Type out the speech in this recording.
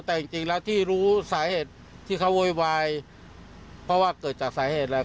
แต่จริงแล้วที่รู้สาเหตุที่เขาโวยวายเพราะว่าเกิดจากสาเหตุอะไร